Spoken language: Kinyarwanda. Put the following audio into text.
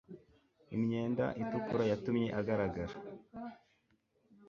Imyenda itukura yatumye agaragara